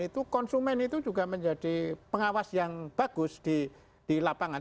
itu konsumen itu juga menjadi pengawas yang bagus di lapangan